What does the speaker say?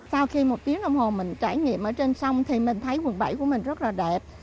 sau khi một tiếng đồng hồ mình trải nghiệm ở trên sông thì mình thấy quận bảy của mình rất là đẹp